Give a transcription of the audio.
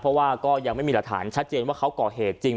เพราะว่าก็ยังไม่มีหลักฐานชัดเจนว่าเขาก่อเหตุจริง